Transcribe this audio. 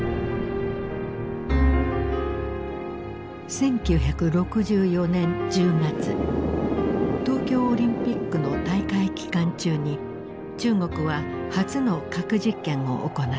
１９６４年１０月東京オリンピックの大会期間中に中国は初の核実験を行った。